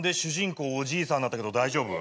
おじいさんになったけど大丈夫？